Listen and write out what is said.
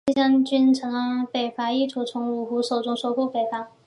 这些将军常发起北伐意图从五胡手中收复北方。